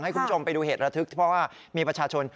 คุณผู้ชมไปดูเหตุระทึกเพราะว่ามีประชาชน